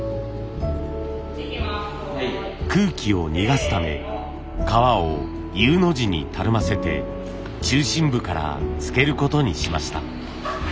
空気を逃がすため革をＵの字にたるませて中心部からつけることにしました。